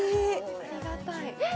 ありがたいえっ？